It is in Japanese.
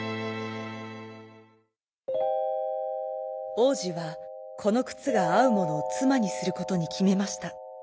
おうじはこのくつがあうものをつまにすることにきめました。